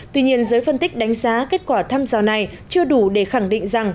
tuy nhiên giới phân tích đánh giá kết quả thăm dò này chưa đủ để khẳng định rằng